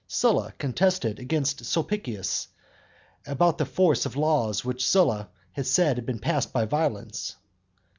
Sylla contended against Sulpicius about the force of laws which Sylla said had been passed by violence.